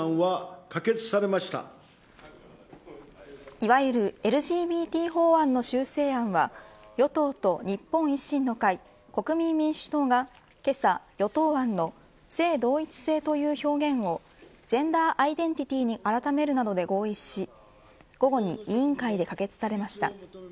いわゆるＬＧＢＴ法案の修正案は与党と日本維新の会国民民主党がけさ与党案の性同一性という表現をジェンダーアイデンティティに改めるなどで合意し午後に委員会で可決されました。